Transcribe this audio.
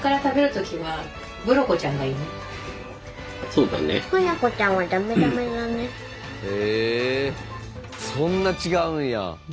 そんな違うんや。